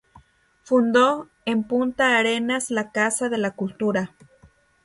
Fundó en Punta Arenas la Casa de la Cultura.